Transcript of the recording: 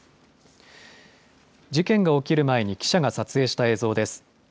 事件が起きる前に記者が撮影した映像です。